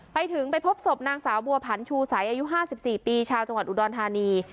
ไปถึงไปพบศพนางสาวบัวผันชูสัยอายุ๕๔ปีชาวจังหวัดอุดรธานี